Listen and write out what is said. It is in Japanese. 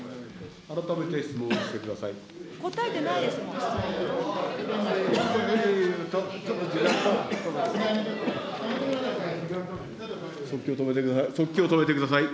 改めて質問してください。